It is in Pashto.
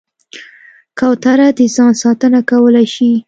کوتره د ځان ساتنه کولی شي.